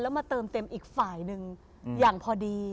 มาเติมเต็มอีกฝ่ายหนึ่งอย่างพอดี